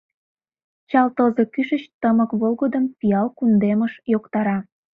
Чал тылзе кӱшыч тымык волгыдым Пиал кундемыш йоктара.